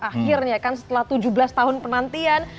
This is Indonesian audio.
akhirnya kan setelah tujuh belas tahun penantian